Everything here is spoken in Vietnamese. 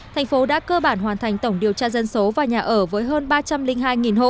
thành phố đã cơ bản hoàn thành tổng điều tra dân số và nhà ở với hơn ba trăm linh hai hộ